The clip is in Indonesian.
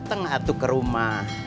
dateng atu ke rumah